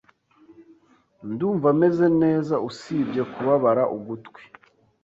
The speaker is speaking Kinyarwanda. Ndumva meze neza usibye kubabara ugutwi.